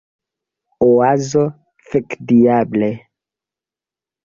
Oazo: "Fekdiable!"